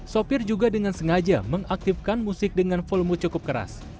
sopir juga dengan sengaja mengaktifkan musik dengan volume cukup keras